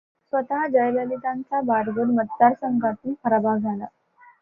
स्वतः जयललितांचा बारगूर मतदारसंघातून पराभव झाला.